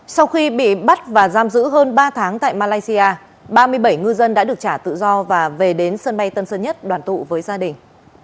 sau khi bị bắt và giam giữ hơn ba tháng tại malaysia ba mươi bảy ngư dân đã được trả tự do và về đến sân bay tân sơn nhất đoàn tụ với gia đình